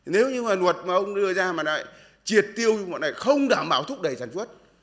nếu như mà luật mà ông đưa ra mà lại triệt tiêu không đảm bảo thúc đẩy sản xuất